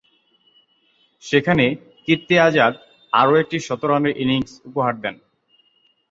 সেখানে কীর্তি আজাদ আরও একটি শতরানের ইনিংস উপহার দেন।